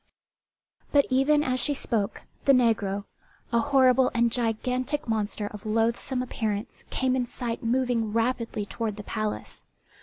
But even as she spoke, the negro, a horrible and gigantic monster of loathsome appearance, came in sight moving rapidly toward the palace.